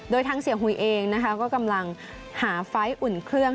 โดยทางเสียหุยเองนะคะก็กำลังหาไฟล์อุ่นเครื่อง